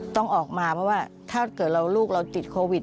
ต้องออกมาเพราะว่าถ้าเกิดเราลูกเราติดโควิด